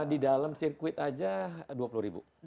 di dalam sirkuit aja dua puluh ribu